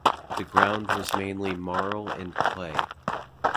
The ground was mainly marl and clay.